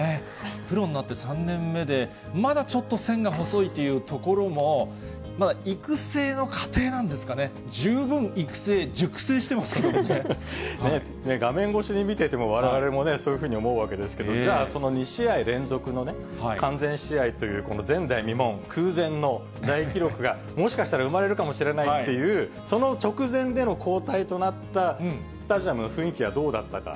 プロになって３年目で、まだちょっと線が細いというところも、育成の過程なんですかね、十分育成、画面越しで見てても、われわれもそういうふうに思うわけですけれども、じゃあ、その２試合連続の完全試合という、この前代未聞、空前の大記録がもしかしたら生まれるかもしれないっていう、その直前での交代となったスタジアムの雰囲気はどうだったか。